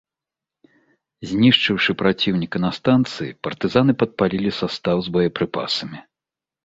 Знішчыўшы праціўніка на станцыі, партызаны падпалілі састаў з боепрыпасамі.